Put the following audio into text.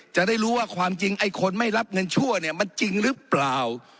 จะได้รู้ว่าความจริงไอ้คนไม่รับเงินชั่วเนี่ยมันจริงหรือเปล่า